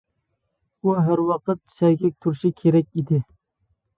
ئۇ ھەر ۋاقىت سەگەك تۇرۇشى كېرەك ئىدى.